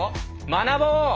学ぼう！